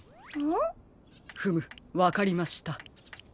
んっ？フムわかりました。